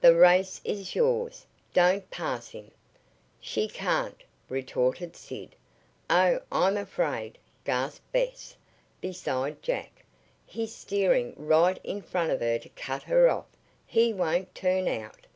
"The race is yours. Don't pass him." "She can't!" retorted Sid. "Oh, I'm afraid!" gasped Bess, beside Jack. "He's steering right in front of her to cut her off. He won't turn out."